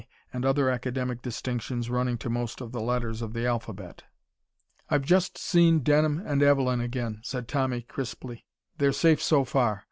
and other academic distinctions running to most of the letters of the alphabet. "I've just seen Denham and Evelyn again," said Tommy crisply. "They're safe so far.